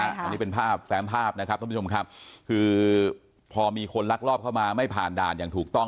อันนี้เป็นภาพแฟมภาพนะครับท่านผู้ชมครับคือพอมีคนลักลอบเข้ามาไม่ผ่านด่านอย่างถูกต้อง